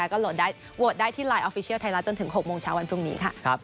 ก็โหลดได้โหวตได้ที่ไลน์ออฟฟิเชียลไทยรัฐจนถึง๖โมงเช้าวันพรุ่งนี้ค่ะ